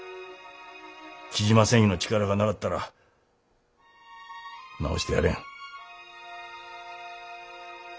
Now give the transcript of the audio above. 雉真繊維の力がなかったら治してやれん。